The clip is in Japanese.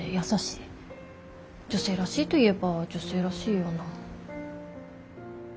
女性らしいといえば女性らしいような。